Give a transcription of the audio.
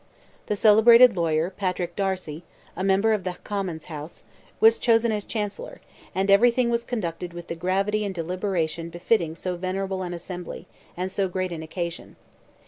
The celebrated lawyer, Patrick Darcy, a member of the Commons' House, was chosen as chancellor, and everything was conducted with the gravity and deliberation befitting so venerable an Assembly, and so great an occasion.